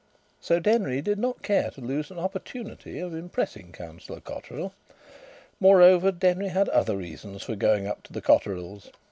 So Denry did not care to lose an opportunity of impressing Councillor Cotterill. Moreover, Denry had other reasons for going up to the Cotterills.